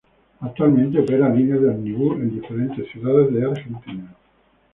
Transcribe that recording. Actualmente opera líneas de ómnibus en diferentes ciudades de Argentina.